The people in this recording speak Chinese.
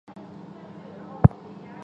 儿子有温井续宗。